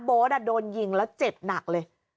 โบ๊ทอะโดนยิงแล้วเจ็ดหนักเลย